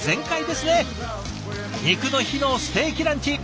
ニクの日のステーキランチ